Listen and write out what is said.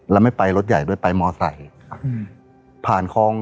แล้วไม่ไปรถใหญ่ด้วยไปมอสไตร